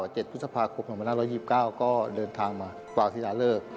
เจ็ดพุทธภาคม๑๕๒๙ก็เดินทางมากว่าสินาเลิก